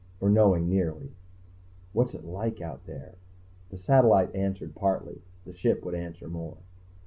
Or knowing nearly. What's it like out there? The satellite answered partly; the Ship would answer more.